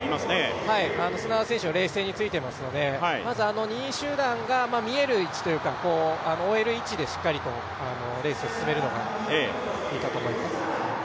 前方２人目に位置しているのが青木、砂田選手は冷静についていますので、２位集団が見える位置というか追える位置でしっかりとレースを進めるのがいいと思います。